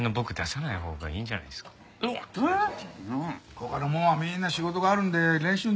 他のもんはみんな仕事があるんで練習出れんでな。